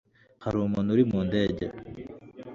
Hari umuntu uri mu ndege